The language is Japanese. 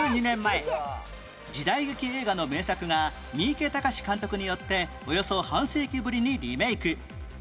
１２年前時代劇映画の名作が三池崇史監督によっておよそ半世紀ぶりにリメイク